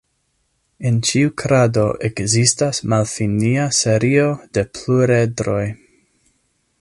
En ĉiu krado ekzistas malfinia serio de pluredroj.